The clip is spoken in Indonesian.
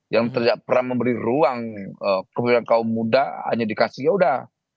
yang tidak pernah memberi ruang kepada kaum muda hanya dikasih yaudah